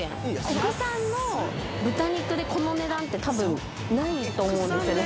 国産の豚肉でこの値段って多分ないと思うんですよね